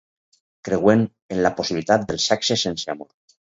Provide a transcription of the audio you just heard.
Creuen en la possibilitat del sexe sense amor.